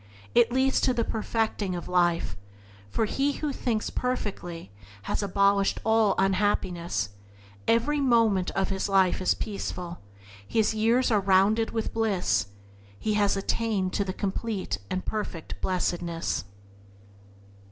It leads to the perfecting of life, for he who thinks perfectly has abolished all unhappiness, his every moment is peaceful, his years are rounded with bliss — he has attained to the complete and perfect blessedness.